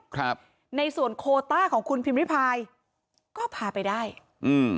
ครับในส่วนโคต้าของคุณพิมพิพายก็พาไปได้อืม